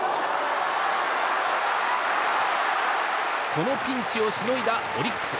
このピンチをしのいだオリックス。